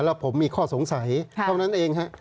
แล้วผมมีข้อสงสัยเท่านั้นเองฮะ